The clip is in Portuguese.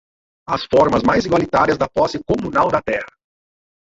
as formas mais igualitárias da posse comunal da terra